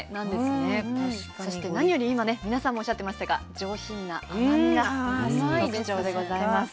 そして何より今ね皆さんもおっしゃってましたが上品な甘みが特徴でございます。